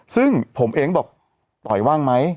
ซึ่งผมเองบอกต่อยว่างไหม